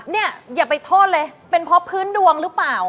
เนี่ยอย่าไปโทษเลยเป็นเพราะพื้นดวงหรือเปล่า